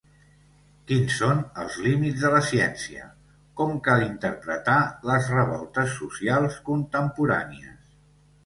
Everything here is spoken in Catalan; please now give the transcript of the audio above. Quins són els límits de la ciència? Com cal interpretar les revoltes socials contemporànies?